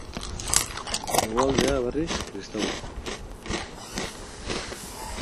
Hegoaldea, berriz, kristaua.